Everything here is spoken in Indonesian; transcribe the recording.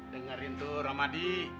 dengerin tuh ramadi